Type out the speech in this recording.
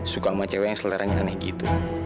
suka sama cewek yang seleranya aneh gitu